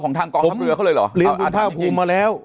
ของทางกองทัพเรือเขาเลยเหรอ